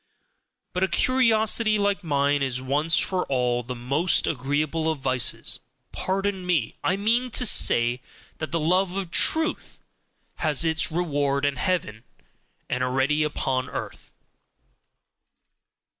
But a curiosity like mine is once for all the most agreeable of vices pardon me! I mean to say that the love of truth has its reward in heaven, and already upon earth.